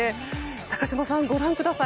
高島さん、ご覧ください。